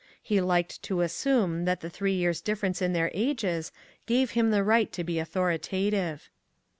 He liked to assume that the three years' difference in their ages gave him the right to be authoritative.